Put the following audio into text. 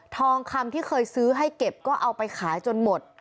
ทองคำที่เคยซื้อให้เก็บก็เอาไปขายจนหมด